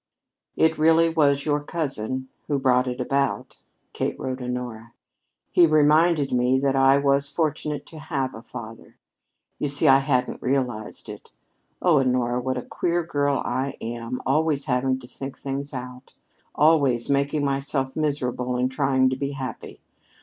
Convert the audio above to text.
"It really was your cousin who brought it about," Kate wrote Honora. "He reminded me that I was fortunate to have a father. You see, I hadn't realized it! Oh, Honora, what a queer girl I am always having to think things out! Always making myself miserable in trying to be happy!